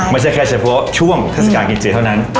ไม่ใช่แค่เฉพาะช่วงเทศกาลกินเจเท่านั้น